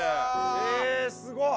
えすごっ。